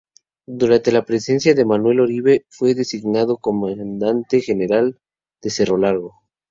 Durante la presidencia de Manuel Oribe fue designado comandante general de Cerro Largo.